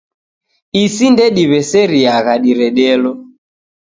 Isi ndediw'eseriagha diredelo